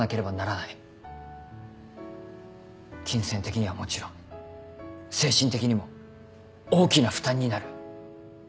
金銭的にはもちろん精神的にも大きな負担になる。